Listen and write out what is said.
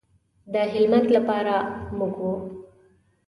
د هلمند لپاره زموږ و.